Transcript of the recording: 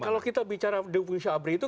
kalau kita bicara duit fungsi abri itu